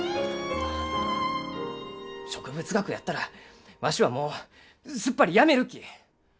植物学やったらわしはもうすっぱりやめるき！